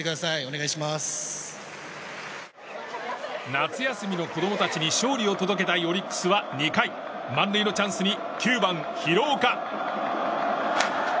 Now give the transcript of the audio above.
夏休みの子供たちに勝利を届けたいオリックスは２回満塁のチャンスに９番、廣岡。